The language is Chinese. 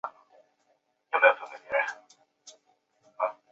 安氏河马长颌鱼的图片